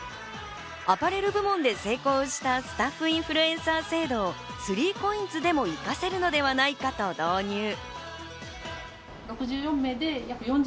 アパレル部門で成功したスタッフインフルエンサー制度を３ＣＯＩＮＳでも生かせるのではないかと導入。